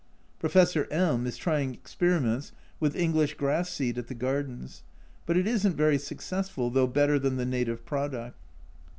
Professor M is trying experiments with English grass seed at the gardens, but it isn't very successful, though better than the native product.